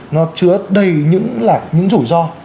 nó chứa đầy những là những rủi ro